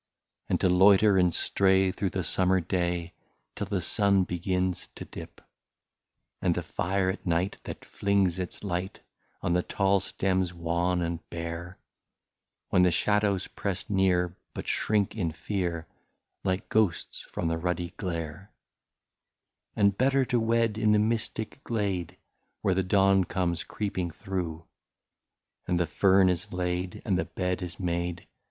And to loiter and stray through the summer day, Till the sun begins to dip ;And the fire at night, that flings its light On the tall stems wan and bare, When the shadows press near, but shrink in fear, Like ghosts, from the ruddy glare ; 72 And better to wed in the mystic glade, Where the dawn comes creeping through, And the fern is laid, and the bed is made.